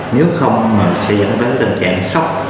nếu không sẽ dẫn tới tình trạng sốc